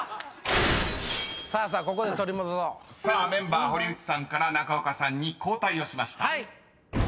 ［さあメンバー堀内さんから中岡さんに交代をしました］